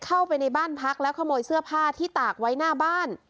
เข้าไปในบ้านพักแล้วขโมยเสื้อผ้าที่ตากไว้หน้าบ้าน